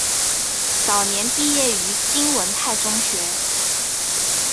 早年毕业于金文泰中学。